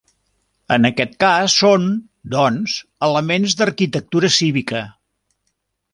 En aquest cas són, doncs, elements d'arquitectura cívica.